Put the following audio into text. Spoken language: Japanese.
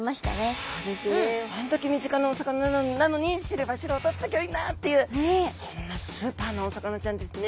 あれだけ身近なお魚なのに知れば知るほどすギョいなっていうそんなスーパーなお魚ちゃんですね。